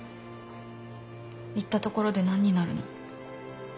言ったところで何になるの？